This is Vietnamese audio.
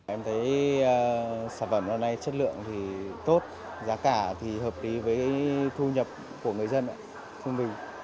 em thấy sản phẩm hôm nay chất lượng thì tốt giá cả thì hợp lý với thu nhập của người dân thương bình